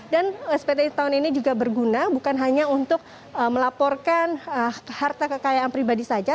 dan spt tahun ini juga berguna bukan hanya untuk melaporkan harta kekayaan pribadi saja